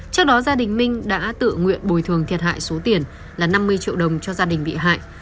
trước đó gia đình minh đã tự nguyện bồi thường thiệt hại số tiền là năm mươi triệu đồng cho gia đình bị hại